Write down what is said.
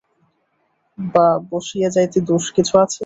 বসিয়া যাইতে দোষ কিছু আছে?